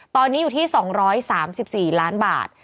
ตอนนี้อยู่ที่๒๓๔ล้านบาท